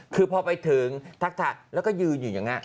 คือพอไปถึงทักแล้วก็ยืนอยู่อย่างนี้